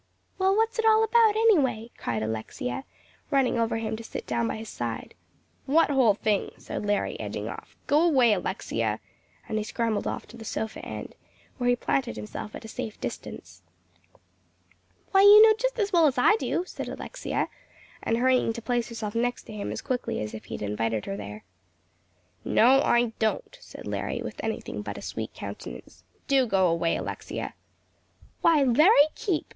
"Well, what's it all about, anyway?" cried Alexia, running over to him to sit down by his side. "What whole thing?" said Larry, edging off. "Go away, Alexia," and he scrambled off to the sofa end, where he planted himself at a safe distance. "Why, you know just as well as I do," said Alexia, and hurrying to place herself next to him as quickly as if he had invited her there. "No, I don't," said Larry, with anything but a sweet countenance. "Do go away, Alexia." "Why, Larry Keep!"